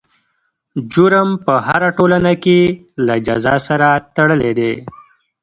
جرم په هره ټولنه کې له جزا سره تړلی دی.